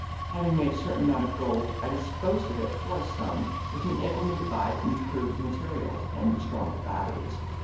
Having made a certain amount of gold, I disposed of it for a sum which enabled me to buy improved materials and stronger batteries.